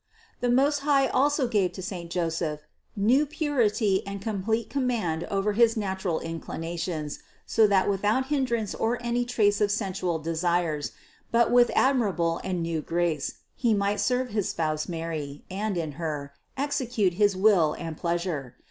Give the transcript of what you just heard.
The Most High also gave to saint Joseph new purity and complete command over his nat ural inclinations, so that without hindrance or any trace of sensual desires, but with admirable and new grace, he might serve his spouse Mary, and in Her, execute his 582 CITY OF GOD will and pleasure.